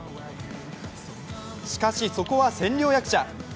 しかし、そこは千両役者。